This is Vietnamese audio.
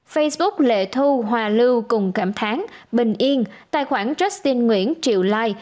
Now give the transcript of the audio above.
facebook lệ thu hòa lưu cùng cảm tháng bình yên tài khoản justin nguyễn triệu lai